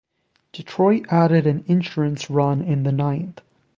Detroit added an insurance run in the ninth.